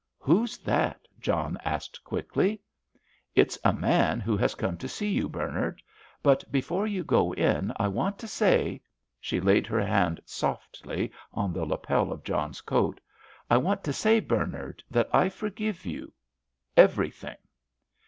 "Who's that?" John asked, quickly. "It's a man who has come to see you, Bernard; but before you go in I want to say"—she laid her hand softly on the lapel of John's coat—"I want to say, Bernard, that I forgive you—everything."